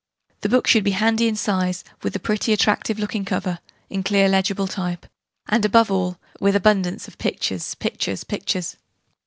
The book should be handy in size with a pretty attractive looking cover in a clear legible type and, above all, with abundance of pictures, pictures, pictures!